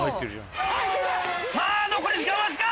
さぁ残り時間わずか！